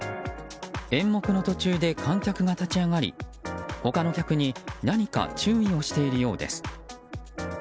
演目の途中で観客が立ち上がり他の客に何か注意をしているようです。